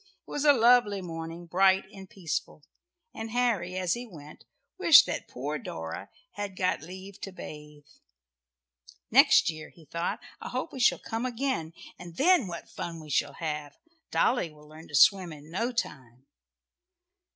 It was a lovely morning bright and peaceful and Harry, as he went, wished that poor Dora had got leave to bathe. "Next year," he thought, "I hope we shall come again, and then what fun we shall have. Dolly will learn to swim in no time."